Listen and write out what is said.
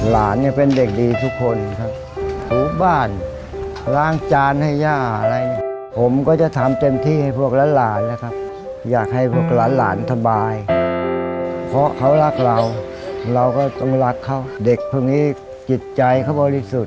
และคำถามสมัครนะครับ